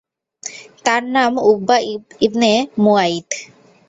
তার নাম Uqba ibn মুয়াইত।